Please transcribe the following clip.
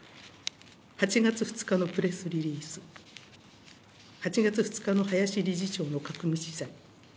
８月２日のプレスリリース、８月２日の林理事長の囲み取材。